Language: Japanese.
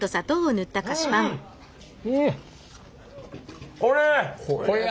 うん！これや！